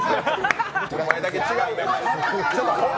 お前だけ違うねん。